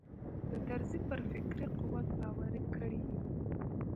د طرزي پر فکري قوت باوري کړي یو.